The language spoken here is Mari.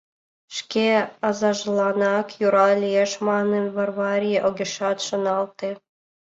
Шке азажланак йӧра лиеш манын, Варвари огешат шоналте.